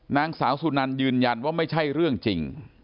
นางสาวสุนันยืนยันว่าไม่ใช่เรื่องจริง